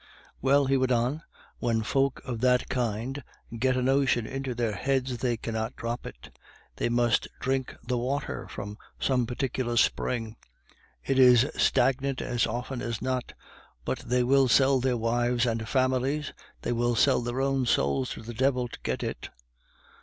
"Well," he went on, "when folk of that kind get a notion into their heads, they cannot drop it. They must drink the water from some particular spring it is stagnant as often as not; but they will sell their wives and families, they will sell their own souls to the devil to get it.